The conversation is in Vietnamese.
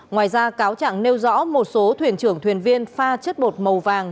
ngoài ra cáo chẳng nêu rõ một số thuyền trưởng thuyền viên pha chất bột màu vàng